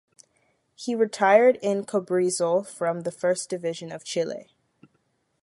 He retired in Cobresal from the First Division of Chile.